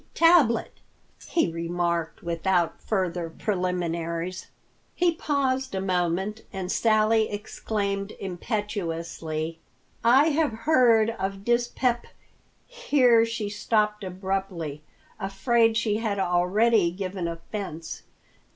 Tablet," he remarked without further preliminaries. He paused a moment, and Sally exclaimed impetuously, "I have heard of dyspep—" Here she stopped abruptly, afraid she had already given offense.